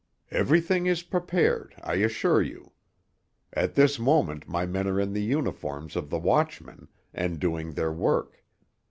"Everything is prepared, I assure you. At this moment my men are in the uniforms of the watchmen, and doing their work.